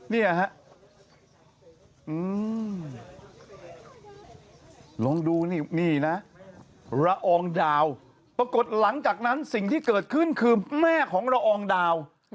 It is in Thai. เนี่ยฮะลองดูนี่นี่นะละอองดาวปรากฏหลังจากนั้นสิ่งที่เกิดขึ้นคือแม่ของละอองดาว